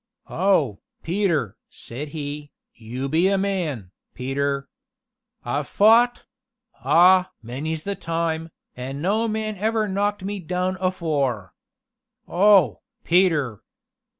"Oh, Peter!" said he, "you be a man, Peter! I've fou't ah! many 's the time, an' no man ever knocked me down afore. Oh, Peter!